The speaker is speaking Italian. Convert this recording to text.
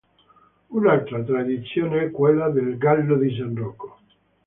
Un'altra tradizione è quella del "Gallo di San Rocco".